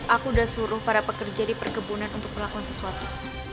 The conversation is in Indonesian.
aku sudah suruh para pekerja di perkebunan untuk melakukan sesuatu